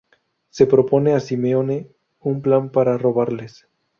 Le propone a Simone un plan para robarles.